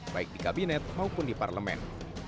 baik di kabinet maupun di parlemen